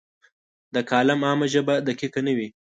د کالم عامه ژبه دقیقه نه وي.